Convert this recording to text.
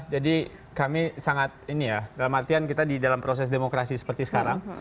jadi kami sangat ini ya dalam artian kita di dalam proses demokrasi seperti sekarang